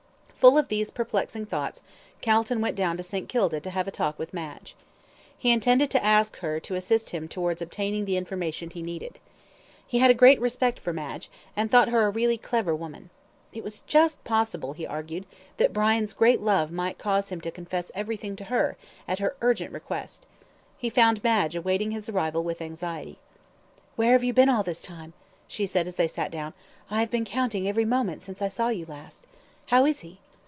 Full of these perplexing thoughts, Calton went down to St. Kilda to have a talk with Madge. He intended to ask her to assist him towards obtaining the information he needed. He had a great respect for Madge, and thought her a really clever woman. It was just possible, he argued, that Brian's great love might cause him to confess everything to her, at her urgent request. He found Madge awaiting his arrival with anxiety. "Where have you been all this time?" she said as they sat down; "I have been counting every moment since I saw you last. How is he?"